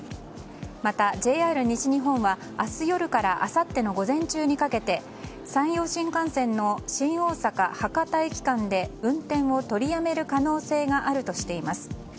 またＪＲ西日本は明日夜からあさっての午前中にかけて山陽新幹線の新大阪博多駅間で運転を取りやめる可能性があるとしています。